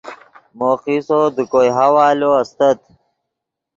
مو قصو دے کوئے حوالو استت